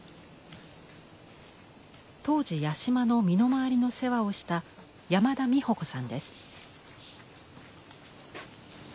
当時八島の身の回りの世話をした山田美穂子さんです。